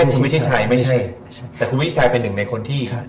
คุณวิชชายคุณวิชชายเป็นถึงในคนที่